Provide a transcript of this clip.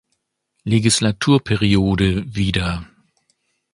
Legislaturperiode wieder.